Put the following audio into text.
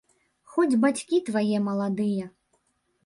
Хоць бацькі твае маладыя.